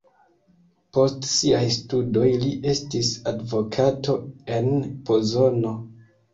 Post siaj studoj li estis advokato en Pozono.